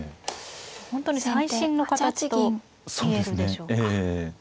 本当に最新の形と言えるでしょうか。